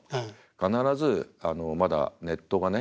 必ずまだネットがね